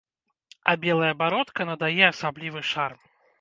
А белая бародка надае асаблівы шарм.